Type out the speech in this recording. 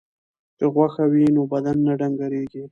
که غوښه وي نو بدن نه ډنګریږي.